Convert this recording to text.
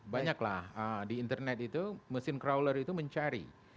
banyaklah di internet itu mesin crowler itu mencari